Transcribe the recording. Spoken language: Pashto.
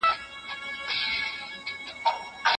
وېره حق ده خو له چا؟